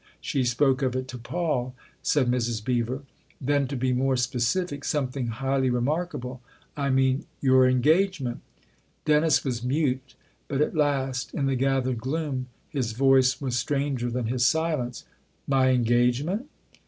"She spoke of it to Paul," said Mrs. Beever. Then, to be more specific: "Something highly re markable. I mean your engagement." Dennis was mute ; but at last, in the gathered gloom, his voice was stranger than his silence. " My engagement